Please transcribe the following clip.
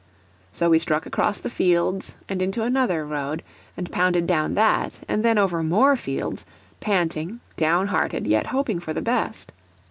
So we struck across the fields and into another road, and pounded down that, and then over more fields, panting, down hearted, yet hoping for the best.